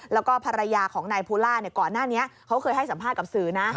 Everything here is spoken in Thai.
แล้วก็ภรรยาของนายภูล่าก่อนหน้านี้เขาเคยให้สัมภาษณ์กับสื่อนะ